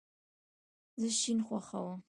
زه شین خوښوم